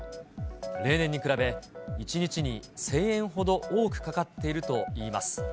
例年に比べ、１日に１０００円ほど多くかかっているといいます。